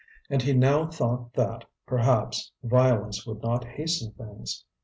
And he now thought that, perhaps, violence would not hasten things.